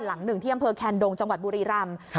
หลังหนึ่งที่อำเภอแคนดงจังหวัดบุรีรำ